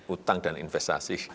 utang dan investasi